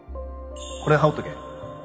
これ羽織っとけ。